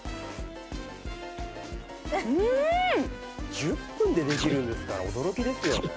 １０分でできるんですから驚きですよね。